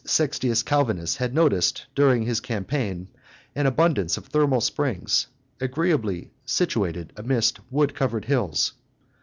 Sextius Calvinus had noticed, during his campaign, an abundance of thermal springs, agreeably situated amidst wood covered hills.